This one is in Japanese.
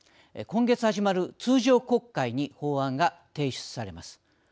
今月始まる通常国会に法案が提出されます。